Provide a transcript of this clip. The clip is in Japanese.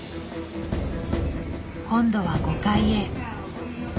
今度は５階へ。